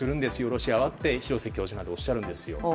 ロシアはって廣瀬教授などはおっしゃるんですよ。